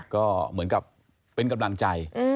ก็เหมือนกับเป็นกำลังใจ